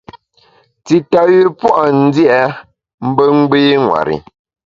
Tita yü pua’ ndia mbe gbî ṅweri.